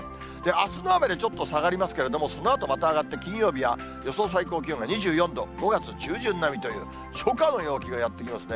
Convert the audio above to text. あすの雨でちょっと下がりますけれども、そのあとまた上がって、金曜日は予想最高気温が２４度、５月中旬並みという、初夏の陽気がやって来ますね。